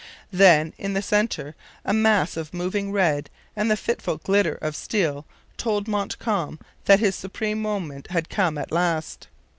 Then, in the centre, a mass of moving red and the fitful glitter of steel told Montcalm that his supreme moment had come at last.